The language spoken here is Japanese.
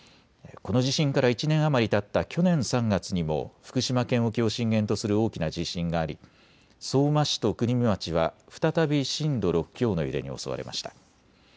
この地震から１年余りたった去年３月にも福島県沖を震源とする大きな地震があり相馬市と国見町は再び震度６強の揺れに襲われました。